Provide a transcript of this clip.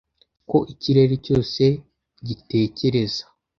ko ikirere cyose gitekereza